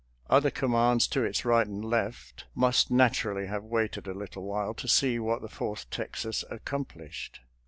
Other commands to its right and left must nat urally have waited a little while to see what the Fourth Texas accomplished.